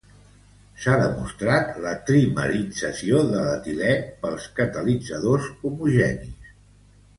S'ha demostrat la trimerització de l'etilè pels catalitzadors homogenis.